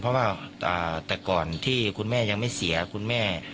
เพราะว่าแต่ก่อนที่คุณแม่ยังไม่เสียคุณแม่